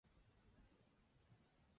圣莱奥纳尔。